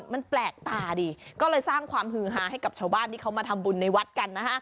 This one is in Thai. มันแปลกตาดีก็เลยสร้างความฮือฮาให้กับชาวบ้านที่เขามาทำบุญในวัดกันนะฮะ